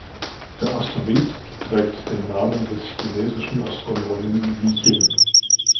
Der Asteroid trägt den Namen des chinesischen Astronomen Yi Xing.